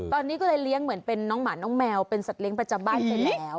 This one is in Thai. ตอนนี้ก็เลยเลี้ยงเหมือนเป็นน้องหมาน้องแมวเป็นสัตเลี้ยประจำบ้านไปแล้ว